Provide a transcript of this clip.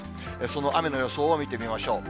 その雨の予想を見てみましょう。